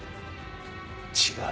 違う。